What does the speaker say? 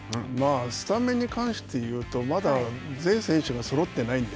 スタメンに関して言うとまだ、全選手がそろっていないので。